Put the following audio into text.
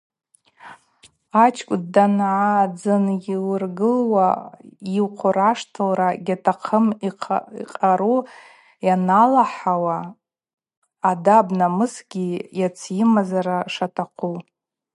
Ачкӏвын дангӏадзынуыргылуа йухъураштылра гьатахъым йкъару йаналахӏауа ъадаб-намысгьи ацйымазара шатахъу.